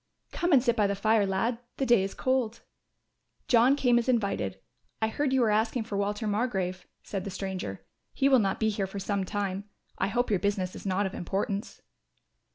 "Come and sit by the fire, lad, the day is cold." John came as invited. "I heard you asking for Walter Margrove," said the stranger, "he will not be here for some time. I hope your business is not of importance."